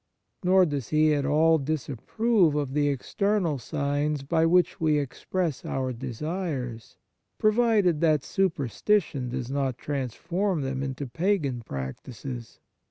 Nor does He at all disapprove of the external signs by which we express our desires, pro vided that superstition does not trans form them into pagan practices.